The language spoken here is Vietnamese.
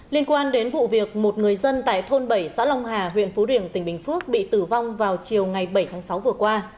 liên quan đến vụ việc một người dân tại thôn bảy xã long hà huyện phú riềng tỉnh bình phước bị tử vong vào chiều ngày bảy tháng sáu vừa qua